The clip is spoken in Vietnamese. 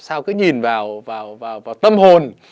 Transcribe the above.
sao cứ nhìn vào tâm hồn